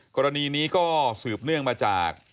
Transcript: กรณีนี้ก็สืบเนื่องมาจาก